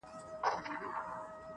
د انسان زړه آیینه زړه یې صیقل دی-